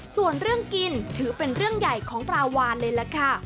ส่วนเรื่องกินถือเป็นเรื่องใหญ่ของปลาวานเลยล่ะค่ะ